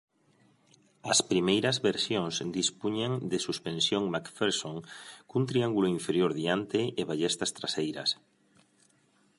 Las primeras versiones disponían de suspensión McPherson con triángulo inferior delante y ballestas traseras.